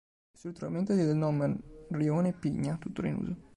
Il suo ritrovamento diede il nome al rione Pigna, tuttora in uso.